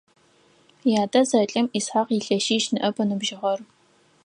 Ятэ зэлӀэм Исхьакъ илъэсищ ныӀэп ыныбжьыгъэр.